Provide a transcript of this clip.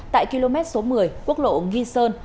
tại km số một mươi quốc lộ nghi sơn